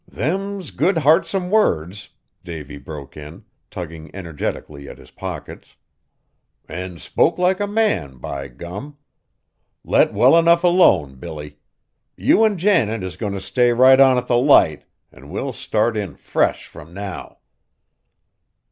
"Them's good heartsome words!" Davy broke in, tugging energetically at his pockets. "An' spoke like a man, by gum! Let well enough alone, Billy. You an' Janet is goin' t' stay right on at the Light, an' we'll start in fresh from now!"